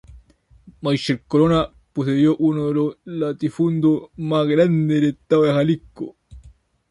Michel Corona poseyó uno de los latifundios más grandes del estado de Jalisco.